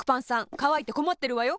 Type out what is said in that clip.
かわいてこまってるわよ。